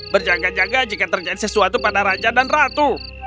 berjaga jaga jika terjadi sesuatu pada raja dan ratu